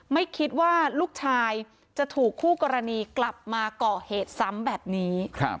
ไม่คิดว่าลูกชายจะถูกคู่กรณีกลับมาก่อเหตุซ้ำแบบนี้